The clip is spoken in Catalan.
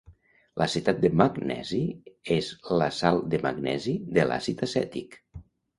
L'acetat de magnesi és la sal de magnesi de l'àcid acètic.